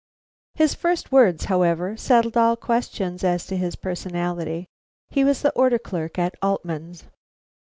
His first words, however, settled all questions as to his personality: He was the order clerk at Altman's.